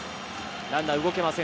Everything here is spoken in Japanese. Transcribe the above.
ランナー、動けません。